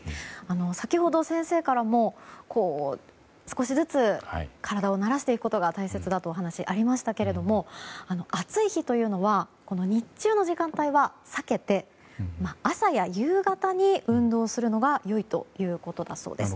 先ほど、先生からも少しずつ体を慣らしていくことが大切だというお話がありましたけれども暑い日というのは日中の時間帯は避けて朝や夕方に運動するのが良いということだそうです。